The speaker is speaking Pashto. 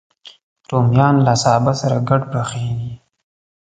رومیان له سابه سره ګډ پخېږي